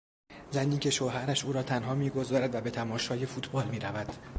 زنی که شوهرش او را تنها میگذارد و به تماشای فوتبال میرود.